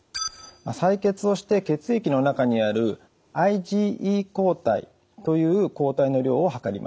採血をして血液の中にあるＩｇＥ抗体という抗体の量を測ります。